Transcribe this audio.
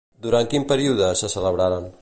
Durant quin període se celebraren?